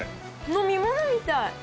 飲み物みたい。